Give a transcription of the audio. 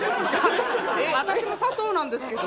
私も砂糖なんですけど。